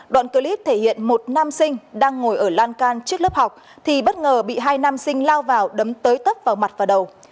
đoạn clip thể hiện một nam sinh đang ngồi ở lan can trước lớp học thì bất ngờ bị hai nam sinh lao vào đấm tới tấp vào mặt và đầu